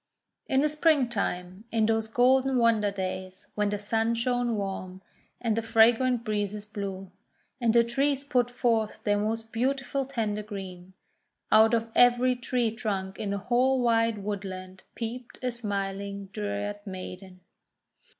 In the Springtime, in those golden wonder days when the Sun shone warm, and the fra grant breezes blew, and the trees put forth their most beautiful tender green, out of every tree trunk in the whole wide woodland peeped a smiling Dryad Maiden.